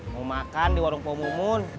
mau makan di warung poh mumun